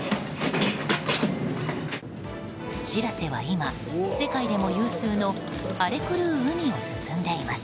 「しらせ」は今、世界でも有数の荒れ狂う海を進んでいます。